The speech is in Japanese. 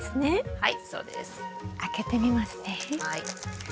はい。